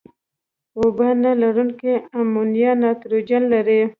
اوبه نه لرونکي امونیا نایتروجن لري.